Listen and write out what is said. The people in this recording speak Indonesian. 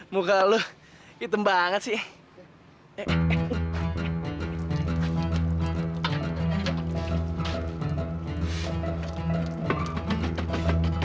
muka lu hitam banget sih